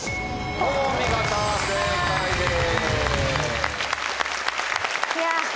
お見事正解です。